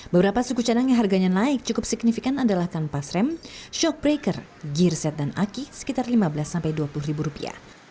beberapa suku cadang yang harganya naik cukup signifikan adalah kan pasrem shockbreaker gearset dan aki sekitar lima belas sampai dua puluh ribu rupiah